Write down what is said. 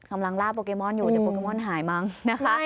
ล่าโปเกมอนอยู่เดี๋ยวโปเกมอนหายมั้งนะคะ